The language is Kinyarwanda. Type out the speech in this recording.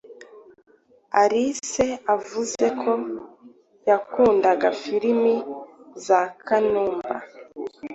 Alice avuzeko yakundaga film za kanumba